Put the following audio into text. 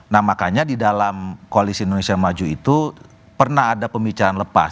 nah makanya di dalam koalisi indonesia maju itu pernah ada pembicaraan lepas